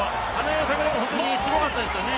櫻井君、本当にすごかったですね。